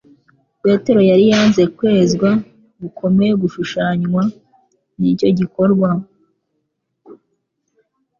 Petero yari yanze kwezwa gukomeye gushushanywa n'icyo gikorwa.